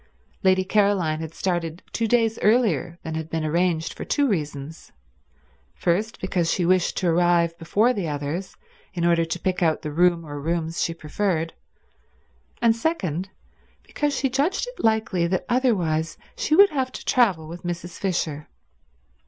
Lady Caroline had started two days earlier than had been arranged for two reasons: first, because she wished to arrive before the others in order to pick out the room or rooms she preferred, and second, because she judged it likely that otherwise she would have to travel with Mrs. Fisher.